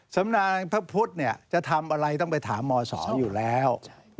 สำนานพระพุทธจะทำอะไรต้องไปถามมศอยู่แล้ว